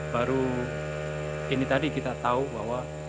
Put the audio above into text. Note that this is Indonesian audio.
baru ini tadi kita tahu bahwa